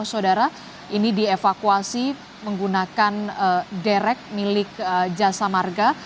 saudara ini dievakuasi menggunakan derek milik jasa marga